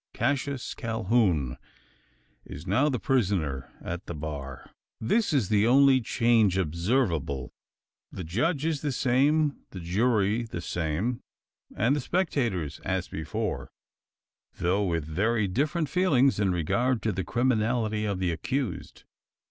Cassius Calhoun is now the prisoner at the bar! This is the only change observable. The judge is the same, the jury the same, and the spectators as before; though with very different feelings in regard to the criminality of the accused.